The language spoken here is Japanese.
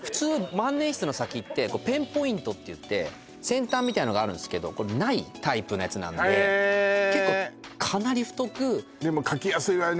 万年筆の先ってペンポイントっていって先端みたいなのがあるんすけどこれないタイプのやつなんでへえ結構かなり太くでも書きやすいわよね